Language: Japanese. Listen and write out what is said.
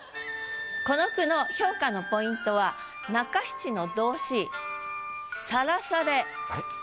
この句の評価のポイントは中七の動詞。